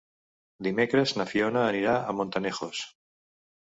Dimecres na Fiona anirà a Montanejos.